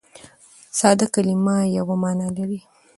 ساده کلیمه یوه مانا لري.